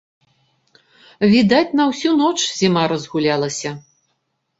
Відаць, на ўсю ноч зіма разгулялася.